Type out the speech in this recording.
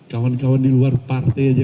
kawan kawan di luar partai aja